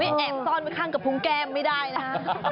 นี่แอบซ่อนไปข้างกับพุงแก้มไม่ได้นะ